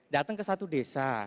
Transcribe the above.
datang ke satu desa